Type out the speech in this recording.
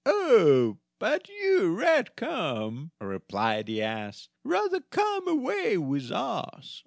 "Ah, but you, Red comb," replied the ass, "rather come away with us.